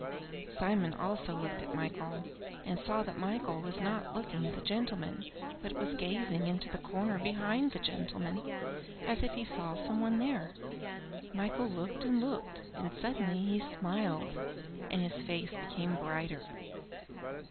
Simon also looked at Michael, and saw that Michael was not looking at the gentleman, but was gazing into the corner behind the gentleman, as if he saw some one there. Michael looked and looked, and suddenly he smiled, and his face became brighter.